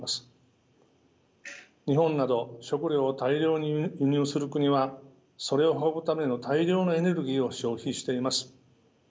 日本など食料を大量に輸入する国はそれを運ぶための大量のエネルギーを消費しています。